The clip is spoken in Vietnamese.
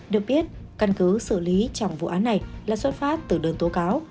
được biết căn cứ xử lý trong vụ án này là xuất phát từ đơn tố cáo